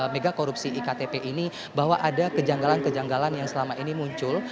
mega korupsi iktp ini bahwa ada kejanggalan kejanggalan yang selama ini muncul